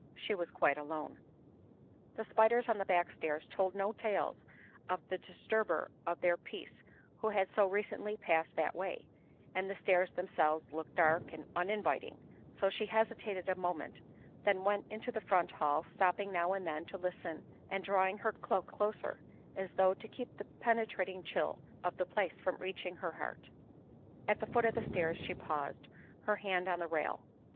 She was quite alone. The spiders on the back stairs told no tales of the dis turber of their peace who had so recently passed that way, and the stairs themselves looked dark and unin viting, so she hesitated a moment, then went into the front hall, stopping now and then to listen and drawing her cloak closer, as though to keep the penetrating chill of the place from reaching her heart. At the foot of the stairs she paused, her hand on the rail.